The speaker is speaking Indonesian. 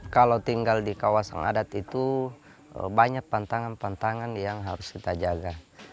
kalau tinggal di kawasan adat itu banyak pantangan pantangan yang harus kita jaga